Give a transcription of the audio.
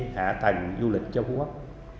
hạ thành du lịch cho phú quốc